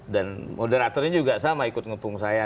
dan moderatornya juga sama ikut ngepung saya